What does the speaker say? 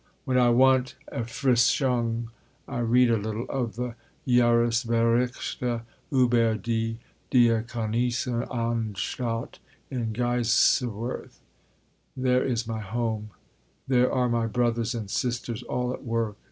When I want Erfrischung I read a little of the Jahresberichte über die Diakonissen Anstalt in Kaiserswerth. There is my home; there are my brothers and sisters all at work.